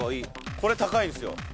これ高いですよ。